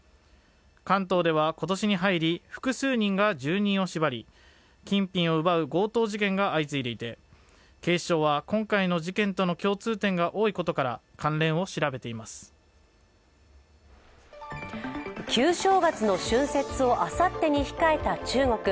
関東では今年に入り複数人が住人を縛り、金品を奪う強盗事件が相次いでいて警視庁は今回の事件との共通点が多いことから旧正月の春節をあさってに控えた中国。